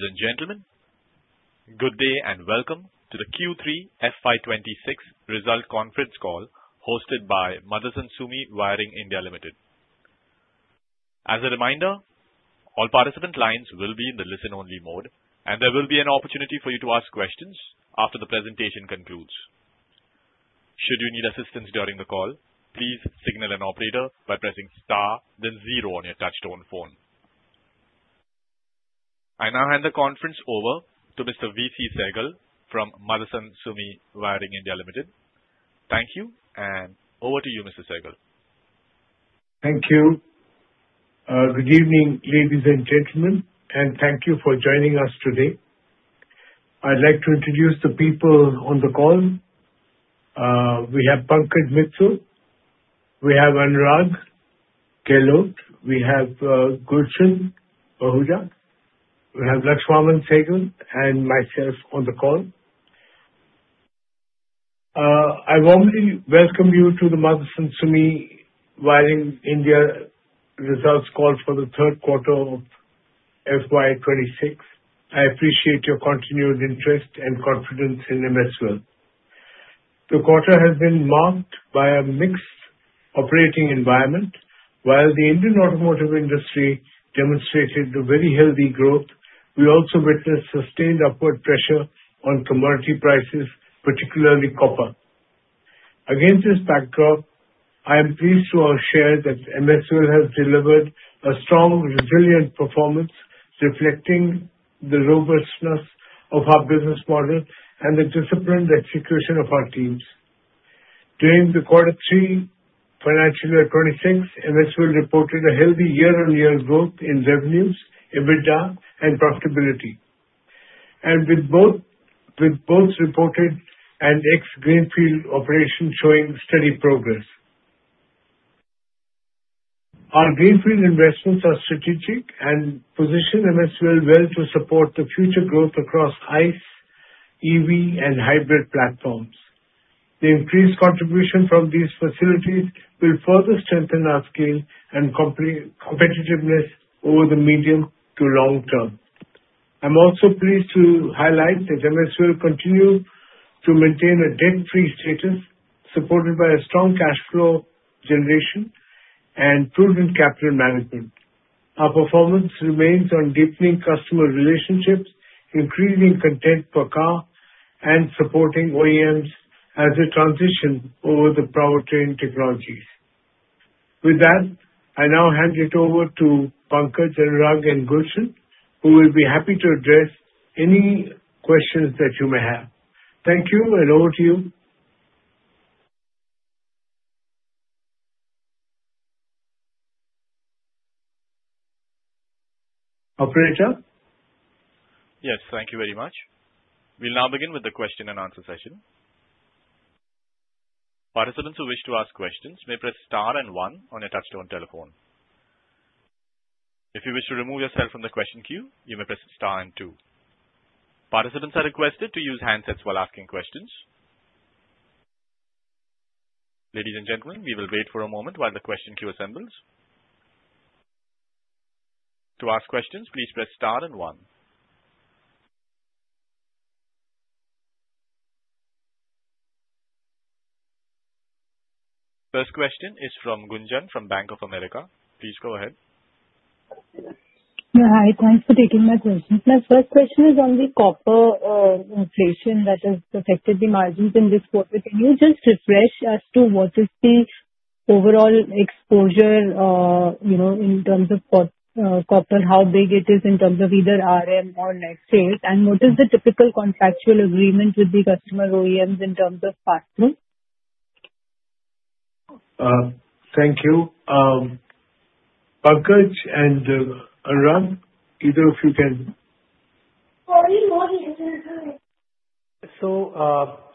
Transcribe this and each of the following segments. Ladies and gentlemen, good day and welcome to the Q3 FY 2026 result conference call, hosted by Motherson Sumi Wiring India Limited. As a reminder, all participant lines will be in the listen-only mode, and there will be an opportunity for you to ask questions after the presentation concludes. Should you need assistance during the call, please signal an operator by pressing star then zero on your touchtone phone. I now hand the conference over to Mr. V.C. Sehgal from Motherson Sumi Wiring India Limited. Thank you, and over to you, Mr. Sehgal. Thank you. Good evening, ladies and gentlemen, and thank you for joining us today. I'd like to introduce the people on the call. We have Pankaj Mital, we have Anurag Gahlot, we have Gulshan Pahuja, we have Lakshman Sehgal, and myself on the call. I warmly welcome you to the Motherson Sumi Wiring India results call for the third quarter of FY 2026. I appreciate your continued interest and confidence in MSWIL. The quarter has been marked by a mixed operating environment. While the Indian automotive industry demonstrated a very healthy growth, we also witnessed sustained upward pressure on commodity prices, particularly copper. Against this backdrop, I am pleased to all share that MSWIL has delivered a strong, resilient performance, reflecting the robustness of our business model and the disciplined execution of our teams. During the quarter 3 financial year 2026, MSWIL reported a healthy year-on-year growth in revenues, EBITDA, and profitability. With both reported and ex-greenfield operations showing steady progress. Our greenfield investments are strategic and position MSWIL well to support the future growth across ICE, EV, and hybrid platforms. The increased contribution from these facilities will further strengthen our scale and competitiveness over the medium to long term. I'm also pleased to highlight that MSWIL continues to maintain a debt-free status, supported by a strong cash flow generation and proven capital management. Our performance remains on deepening customer relationships, increasing content per car, and supporting OEMs as they transition over the powertrain technologies. With that, I now hand it over to Pankaj, Anurag and Gulshan, who will be happy to address any questions that you may have. Thank you, and over to you. Operator? Yes, thank you very much. We'll now begin with the question and answer session. Participants who wish to ask questions may press star and one on your touchtone telephone. If you wish to remove yourself from the question queue, you may press star and two. Participants are requested to use handsets while asking questions. Ladies and gentlemen, we will wait for a moment while the question queue assembles. To ask questions, please press star and one. First question is from Gunjan, from Bank of America. Please go ahead. Yeah, hi, thanks for taking my questions. My first question is on the copper inflation that has affected the margins in this quarter. Can you just refresh as to what is the overall exposure, you know, in terms of copper, how big it is in terms of either RM or net sales? And what is the typical contractual agreement with the customer OEMs in terms of pass-throughs? Thank you. Pankaj and Anurag, either of you can...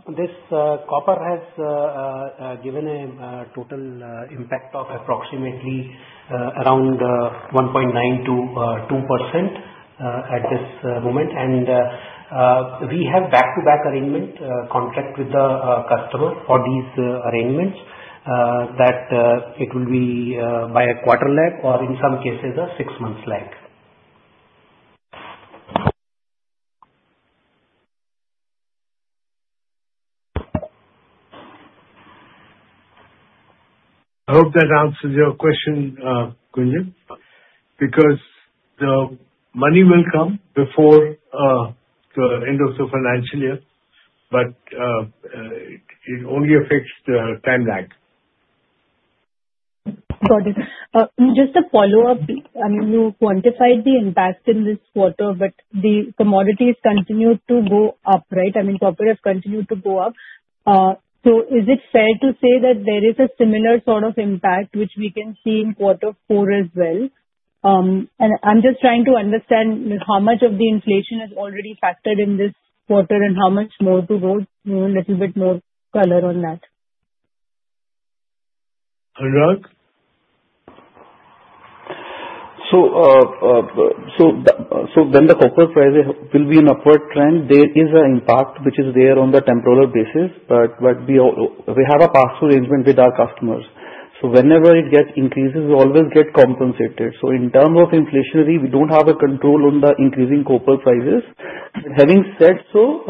This copper has given a total impact of approximately around 1.9%-2% at this moment. We have back-to-back arrangement contract with the customers for these arrangements that it will be by a quarter lag or in some cases, a six-month lag. I hope that answers your question, Gunjan, because the money will come before the end of the financial year, but it only affects the time lag. Got it. Just a follow-up, I mean, you quantified the impact in this quarter, but the commodities continued to go up, right? I mean, copper has continued to go up. So is it fair to say that there is a similar sort of impact, which we can see in quarter four as well? And I'm just trying to understand how much of the inflation is already factored in this quarter and how much more to go? You know, a little bit more color on that. Anurag? So when the copper prices will be an upward trend, there is an impact, which is there on the temporary basis. But we all... We have a pass-through arrangement with our customers. So whenever it gets increases, we always get compensated. So in terms of inflationary, we don't have a control on the increasing copper prices. Having said so,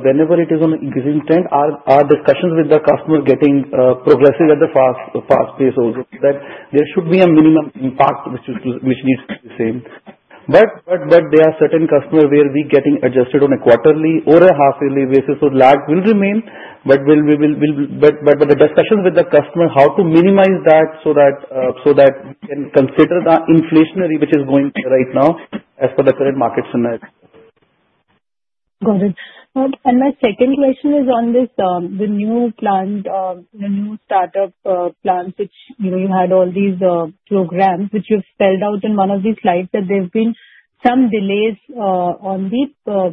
whenever it is on an increasing trend, our discussions with the customer getting progressive at a fast pace also, that there should be a minimum impact which needs to be the same. But there are certain customer where we getting adjusted on a quarterly or a half yearly basis, so lag will remain, but we will, but the discussions with the customer, how to minimize that, so that we can consider the inflationary which is going right now as per the current market scenario. Got it. And my second question is on this, the new plant, the new startup, plants, which, you know, you had all these, programs which you've spelled out in one of the slides, that there have been some delays, on these,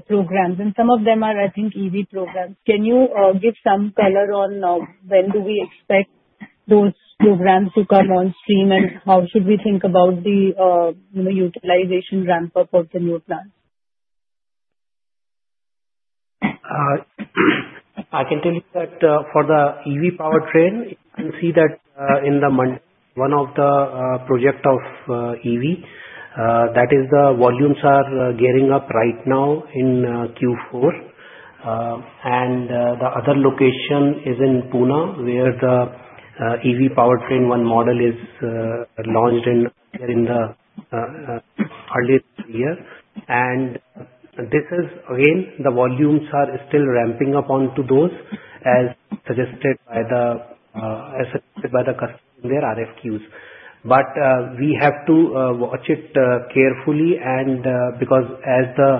programs, and some of them are, I think, EV programs. Can you give some color on when do we expect those programs to come on stream? And how should we think about the, you know, utilization ramp up of the new plants? I can tell you that for the EV powertrain, you can see that in the month, one of the project of EV that is the volumes are gearing up right now in Q4. And the other location is in Pune, where the EV powertrain one model is launched in early this year. And this is again the volumes are still ramping up onto those as suggested by the customer their RFQs. But we have to watch it carefully and because as the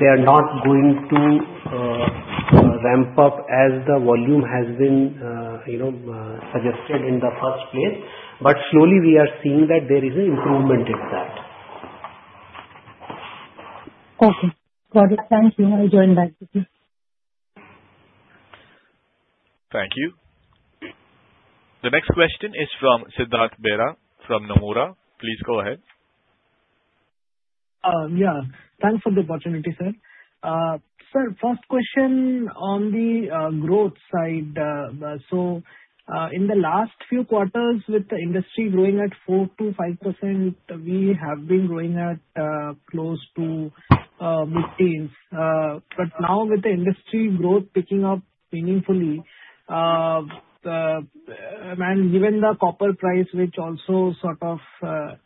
They are not going to ramp up as the volume has been you know suggested in the first place. But slowly we are seeing that there is an improvement in that. Okay. Got it. Thank you. I join back with you. Thank you. The next question is from Siddhartha Bera from Nomura. Please go ahead. Yeah. Thanks for the opportunity, sir. So first question on the growth side. So, in the last few quarters, with the industry growing at 4%-5%, we have been growing at close to mid-teens. But now with the industry growth picking up meaningfully, and given the copper price, which also sort of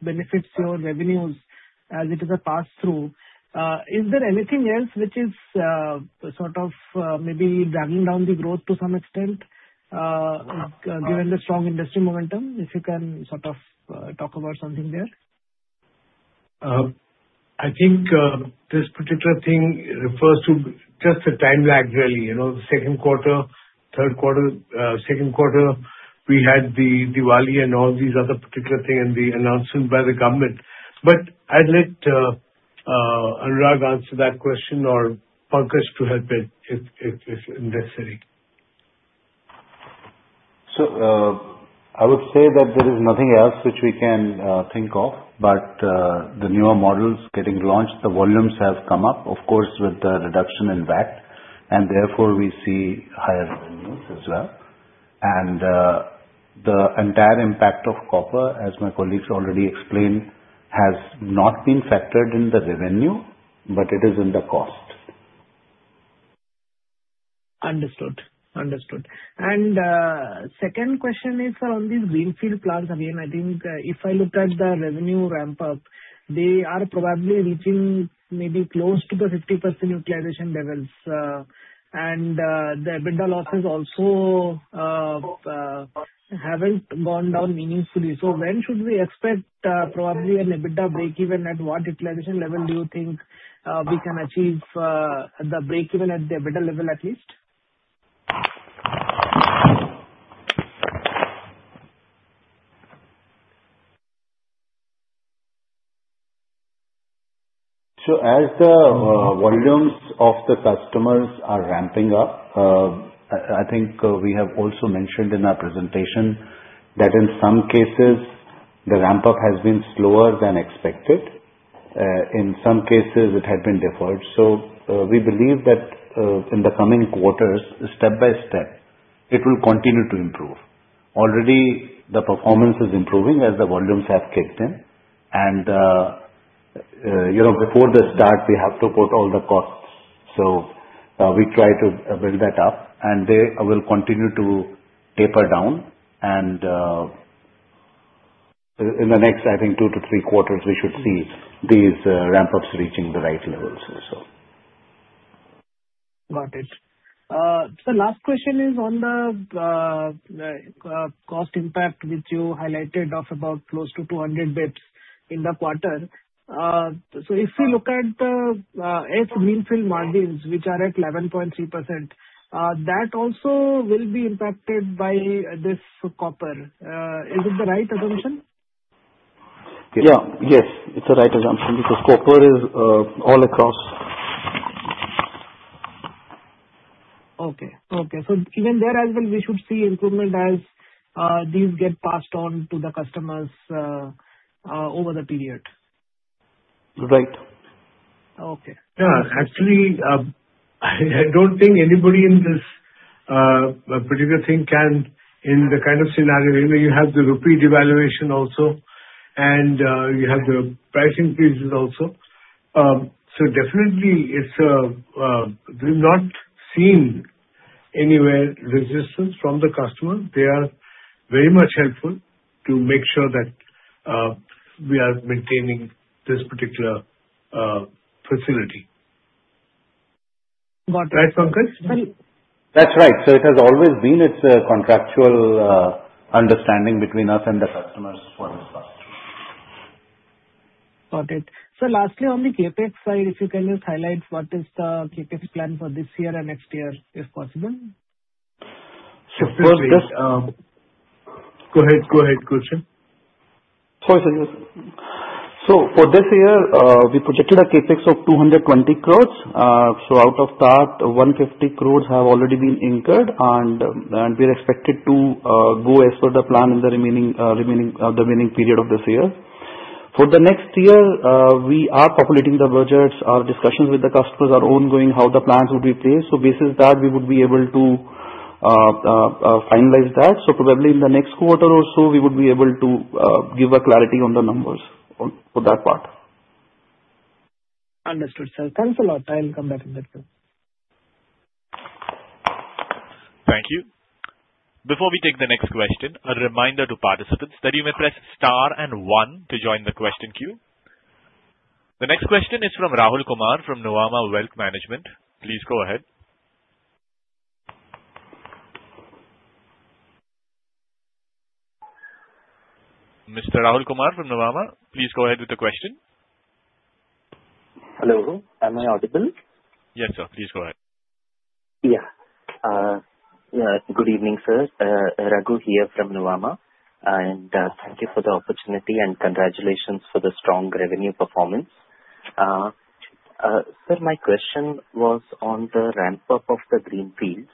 benefits your revenues as it is a pass-through, is there anything else which is sort of maybe dragging down the growth to some extent, given the strong industry momentum? If you can sort of talk about something there. I think, this particular thing refers to just the time lag, really. You know, second quarter, third quarter, second quarter, we had the Diwali and all these other particular thing and the announcement by the government. But I'd let, Anurag answer that question or Pankaj to help it, if necessary. I would say that there is nothing else which we can think of, but the newer models getting launched, the volumes have come up, of course, with the reduction in VAT, and therefore we see higher revenues as well. The entire impact of copper, as my colleagues already explained, has not been factored in the revenue, but it is in the cost. Understood. Understood. Second question is on this greenfield plants. Again, I think, if I look at the revenue ramp up, they are probably reaching maybe close to the 50% utilization levels, and, the EBITDA losses also, haven't gone down meaningfully. So when should we expect, probably an EBITDA breakeven? At what utilization level do you think, we can achieve, the breakeven at the EBITDA level at least? So as the volumes of the customers are ramping up, I think we have also mentioned in our presentation that in some cases the ramp up has been slower than expected. In some cases it had been deferred. So we believe that in the coming quarters, step by step, it will continue to improve. Already the performance is improving as the volumes have kicked in. And you know, before the start, we have to put all the costs. So we try to build that up, and they will continue to taper down. And in the next, I think 2-3 quarters, we should see these ramp ups reaching the right levels also. Got it. The last question is on the cost impact, which you highlighted of about close to 200 basis points in the quarter. So if you look at the greenfield margins, which are at 11.3%, that also will be impacted by this copper. Is it the right assumption? Yeah. Yes, it's the right assumption, because copper is all across. Okay. Okay, so even there as well, we should see improvement as these get passed on to the customers over the period? Right. Okay. Yeah, actually, I don't think anybody in this particular thing can, in the kind of scenario, you know, you have the rupee devaluation also and, you have the price increases also. So definitely it's, we've not seen anywhere resistance from the customer. They are very much helpful to make sure that, we are maintaining this particular facility. Got it. Right, Pankaj? That's right. So it has always been, it's a contractual understanding between us and the customers for this product. Got it. Lastly, on the CapEx side, if you can just highlight what is the CapEx plan for this year and next year, if possible? Just, go ahead. Go ahead, Gulshan. Sorry, sir. So for this year, we projected a CapEx of 220 crore. So out of that, 150 crore have already been incurred, and we're expected to go as per the plan in the remaining period of this year. For the next year, we are populating the budgets. Our discussions with the customers are ongoing, how the plans will be placed. So based on that, we would be able to finalize that. So probably in the next quarter or so, we would be able to give a clarity on the numbers for that part. Understood, sir. Thanks a lot. I'll come back in that, sir. Thank you. Before we take the next question, a reminder to participants that you may press star and one to join the question queue. The next question is from Rahul Kumar, from Nuvama Wealth Management. Please go ahead. Mr. Rahul Kumar from Nuvama, please go ahead with the question. Hello, am I audible? Yes, sir. Please go ahead. Yeah. Good evening, sir. Rahul here from Nuvama, and thank you for the opportunity, and congratulations for the strong revenue performance. Sir, my question was on the ramp-up of the green fields.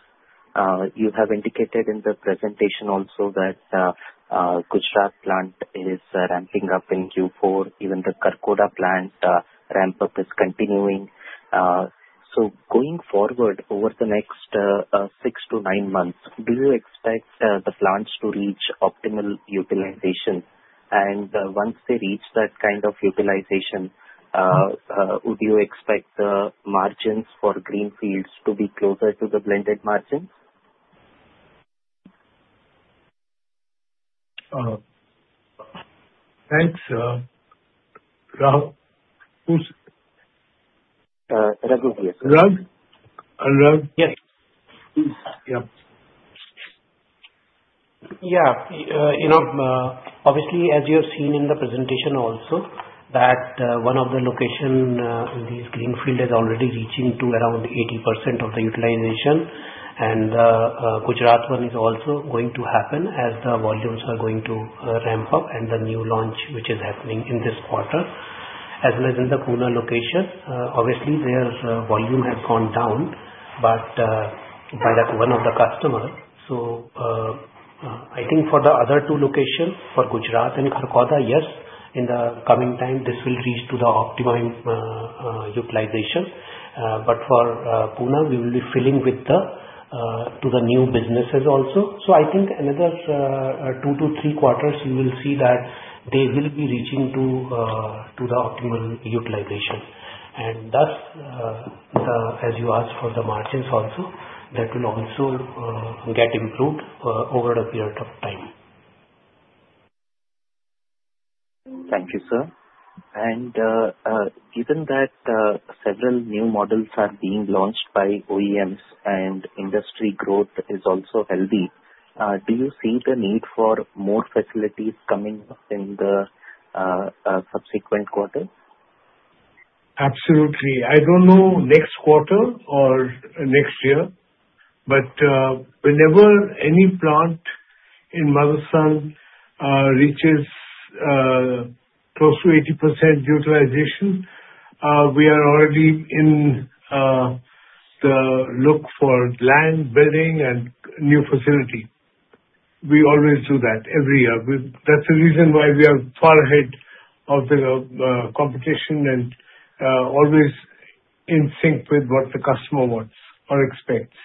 You have indicated in the presentation also that Gujarat plant is ramping up in Q4, even the Kharkhoda plant ramp-up is continuing. So going forward, over the next six to nine months, do you expect the plants to reach optimal utilization? And once they reach that kind of utilization, would you expect the margins for greenfields to be closer to the blended margins? Thanks, Rahul. Who's... Rahul, yes. Rahul? Rahul. Yes, please. Yeah. Yeah. You know, obviously, as you have seen in the presentation also, that one of the location, this greenfield is already reaching to around 80% of the utilization. Gujarat one is also going to happen as the volumes are going to ramp up, and the new launch, which is happening in this quarter, as well as in the Pune location. Obviously, their volume has gone down, but by that one of the customer. So I think for the other two locations, for Gujarat and Kharkhoda, yes, in the coming time, this will reach to the optimal utilization. But for Pune, we will be filling with the to the new businesses also. So I think another 2-3 quarters, you will see that they will be reaching to the optimal utilization. And thus, as you ask for the margins also, that will also get improved over a period of time. Thank you, sir. Given that several new models are being launched by OEMs and industry growth is also healthy, do you see the need for more facilities coming up in the subsequent quarters? Absolutely. I don't know, next quarter or next year, but whenever any plant in Motherson reaches close to 80% utilization, we are already on the lookout for land, building, and new facility. We always do that every year. That's the reason why we are far ahead of the competition and always in sync with what the customer wants or expects.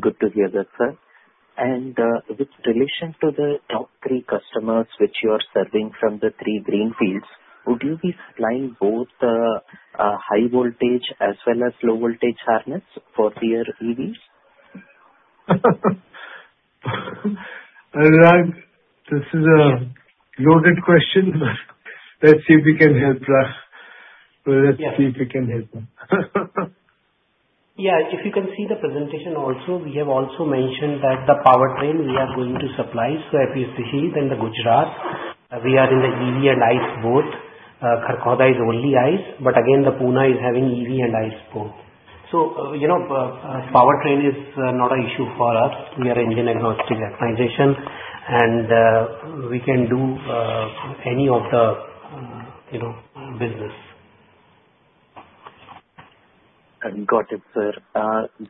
Good to hear that, sir. And, with relation to the top three customers which you are serving from the three greenfields, would you be supplying both the high voltage as well as low voltage harness for their EVs? Rahul, this is a- Yeah. Loaded question. Let's see if we can help. Yeah. Let's see if we can help. Yeah, if you can see the presentation also, we have also mentioned that the powertrain we are going to supply. So at Chennai and the Gujarat, we are in the EV and ICE both. Kharkhoda is only ICE, but again, the Pune is having EV and ICE both. So, you know, powertrain is not an issue for us. We are engine agnostic organization, and we can do any of the, you know, business. Got it, sir.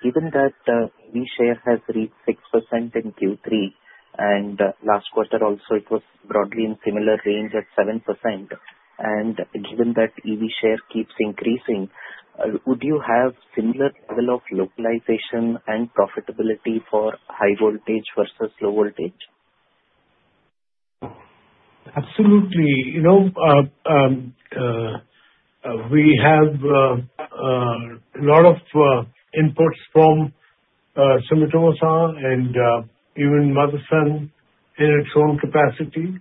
Given that, we share has reached 6% in Q3, and, last quarter also it was broadly in similar range at 7%. And given that EV share keeps increasing, would you have similar level of localization and profitability for high voltage versus low voltage? Absolutely. You know, we have lot of inputs from Sumitomo San and even Motherson in its own capacity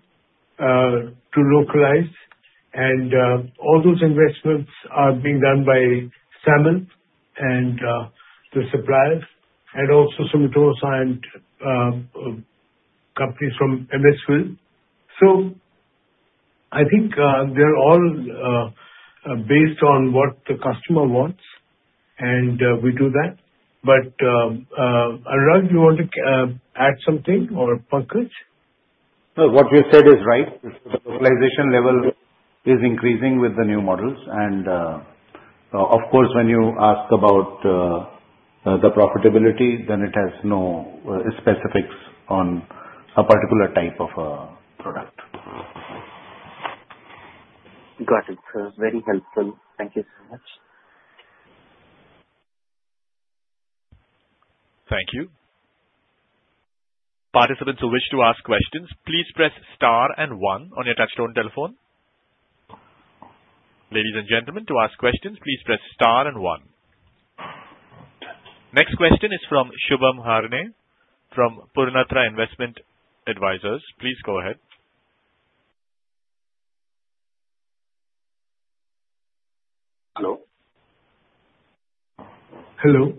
to localize. And all those investments are being done by Samvardhana and the suppliers, and also Sumitomo San, companies from MSSL. So I think they're all based on what the customer wants, and we do that. But Anurag, you want to add something or Pankaj? No, what you said is right. The localization level is increasing with the new models. And, of course, when you ask about the profitability, then it has no specifics on a particular type of product. Got it, sir. Very helpful. Thank you so much. Thank you. Participants who wish to ask questions, please press star and one on your touchtone telephone. Ladies and gentlemen, to ask questions, please press star and one. Next question is from Shubham Harne, from Purnartha Investment Advisors. Please go ahead. Hello? Hello.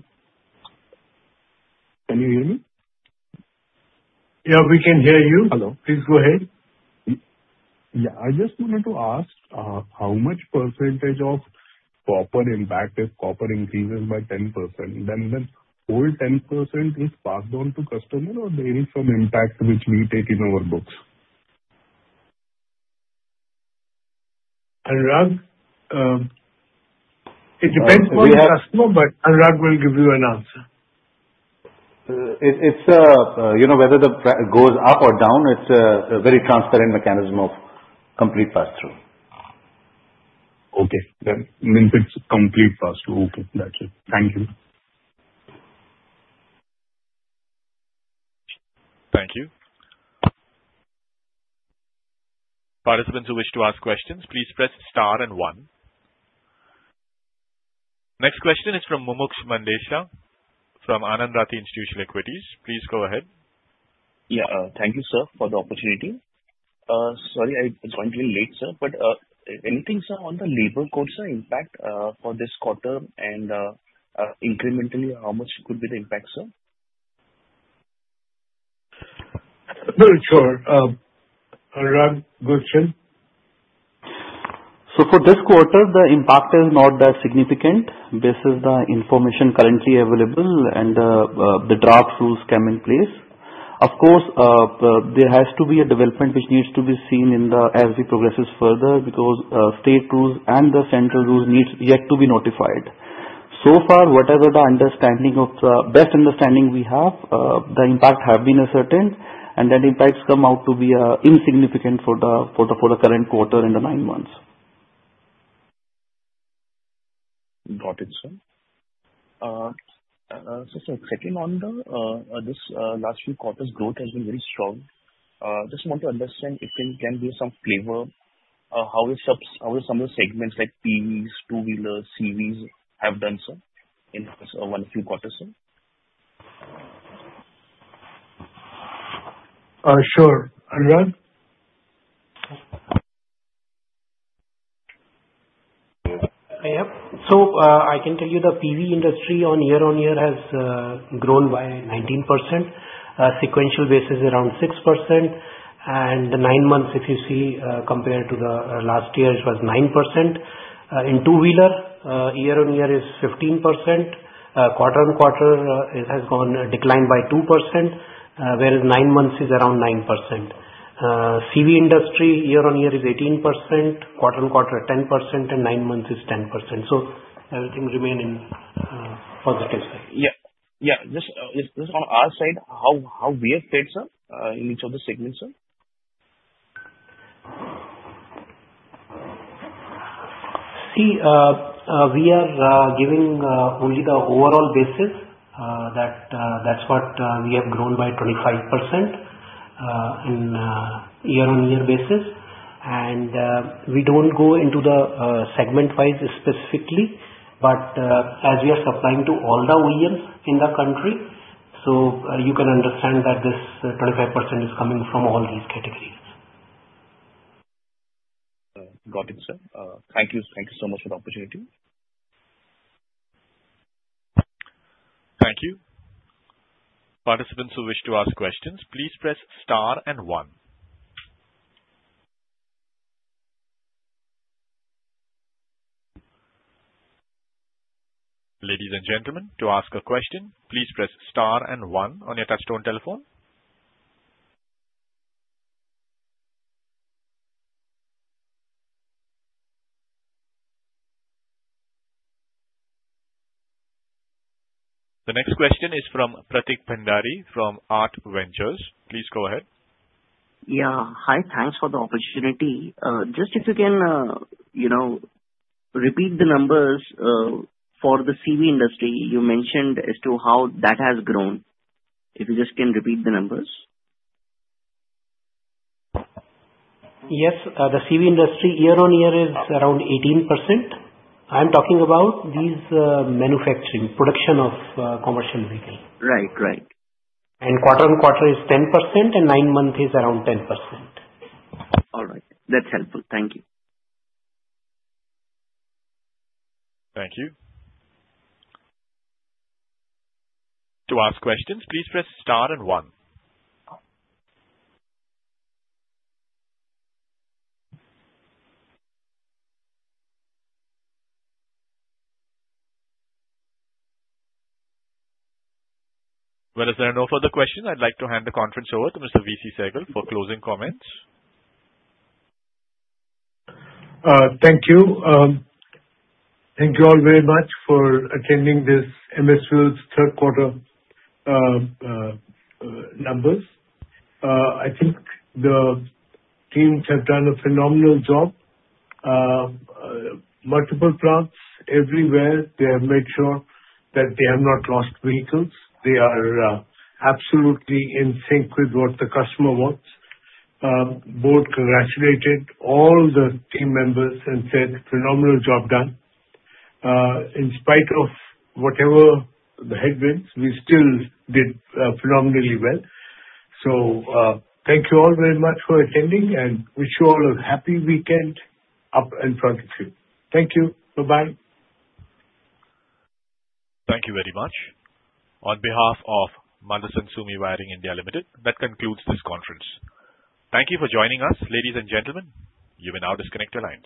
Can you hear me? Yeah, we can hear you. Hello. Please go ahead. Yeah, I just wanted to ask how much percentage of copper impact if copper increases by 10%, then whole 10% is passed on to customer, or there is some impact which we take in our books? Anurag, it depends on the customer, but Anurag will give you an answer. It's, you know, whether the price goes up or down, it's a very transparent mechanism of complete pass-through. Okay. Then it's complete pass-through. Okay, got you. Thank you. Thank you. Participants who wish to ask questions, please press star and one. Next question is from Mumuksh Mandlesha from Anand Rathi Institutional Equities. Please go ahead. Yeah. Thank you, sir, for the opportunity. Sorry, I joined a little late, sir, but anything, sir, on the labor cost impact for this quarter and incrementally, how much could be the impact, sir? Sure. Anurag, go ahead. So for this quarter, the impact is not that significant. This is the information currently available and, the draft rules came in place. Of course, there has to be a development which needs to be seen as it progresses further, because, state rules and the central rules needs yet to be notified. So far, whatever the understanding of, best understanding we have, the impact have been uncertain, and then impacts come out to be, insignificant for the current quarter and the nine months. Got it, sir. So, sir, second on the last few quarters, growth has been very strong. Just want to understand if you can give some flavor, how some of the segments like PVs, two-wheelers, CVs have done, sir, in the last few quarters, sir? Sure. Anurag? I am. So, I can tell you the PV industry on year-on-year has grown by 19%. Sequential basis, around 6%, and the nine months, if you see, compared to the last year, it was 9%. In two-wheeler, year-on-year is 15%. Quarter-on-quarter, it has gone declined by 2%, whereas nine months is around 9%. CV industry, year-on-year is 18%, quarter-on-quarter, 10%, and nine months is 10%. So everything remain in positive sense. Yeah. Yeah, this on our side, how we are placed, sir, in each of the segments, sir? See, we are giving only the overall basis, that that's what we have grown by 25% in year-on-year basis. We don't go into the segment-wise specifically, but as we are supplying to all the OEMs in the country, so you can understand that this 25% is coming from all these categories. Got it, sir. Thank you. Thank you so much for the opportunity. Thank you. Participants who wish to ask questions, please press star and one. Ladies and gentlemen, to ask a question, please press star and one on your touchtone telephone. The next question is from Prateek Bhandari from Aart Ventures. Please go ahead. Yeah. Hi, thanks for the opportunity. Just if you can, you know, repeat the numbers for the CV industry, you mentioned as to how that has grown. If you just can repeat the numbers. Yes. The CV industry year-on-year is around 18%. I'm talking about these manufacturing production of commercial vehicles. Right. Right. Quarter-on-quarter is 10% and nine-month is around 10%. All right. That's helpful. Thank you. Thank you. To ask questions, please press star and one. Well, if there are no further questions, I'd like to hand the conference over to Mr. V.C. Sehgal for closing comments. Thank you. Thank you all very much for attending this Motherson third quarter numbers. I think the teams have done a phenomenal job. Multiple plants everywhere, they have made sure that they have not lost vehicles. They are absolutely in sync with what the customer wants. Board congratulated all the team members and said, "Phenomenal job done." In spite of whatever the headwinds, we still did phenomenally well. So, thank you all very much for attending, and wish you all a happy weekend up in front of you. Thank you. Bye-bye. Thank you very much. On behalf of Motherson Sumi Wiring India Limited, that concludes this conference. Thank you for joining us, ladies and gentlemen. You may now disconnect your lines.